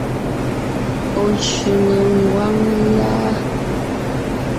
Ɔ̀ sẅiŋe ngwáŋ láa?